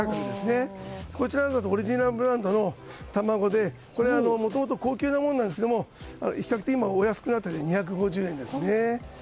こちらだとオリジナルブランドの卵でこれ、もともと高級なものなんですが比較的今はお安くなって２５０円ですね。